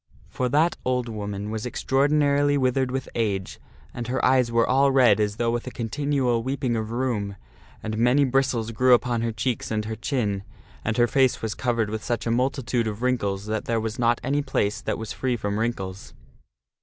For that old woman was extraordinarily withered with age, and her eyes were all red as though with a continual weeping of rheum, and many bris tles grew upon her cheeks and her chin, and her face was covered with such a multitude of wrinkles that there was not any place that was free from wrinkles.